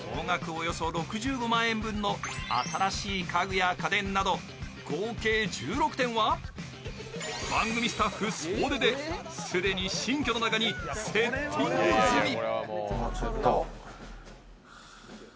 およそ６５万円分の新しい家具や家電など合計１６点は、番組スタッフ総出で既に新居の中にセッティング済み。